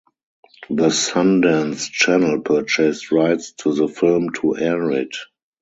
The Sundance Channel purchased rights to the film to air it.